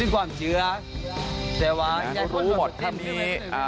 เขารู้หมดท่านี้